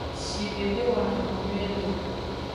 Shive de wano enu nyuide o.